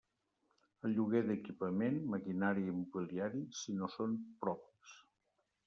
El lloguer d'equipament, maquinària i mobiliari, si no són propis.